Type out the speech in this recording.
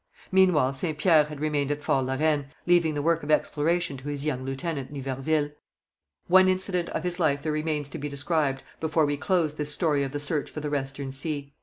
Meanwhile Saint Pierre had remained at Fort La Reine, leaving the work of exploration to his young lieutenant, Niverville. One incident of his life there remains to be described before we close this story of the search for the Western Sea.